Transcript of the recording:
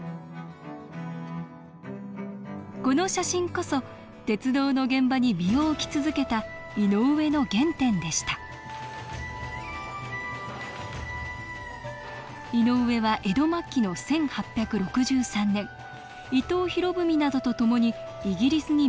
この写真こそ鉄道の現場に身を置き続けた井上の原点でした井上は江戸末期の１８６３年伊藤博文などとともにイギリスに密航します。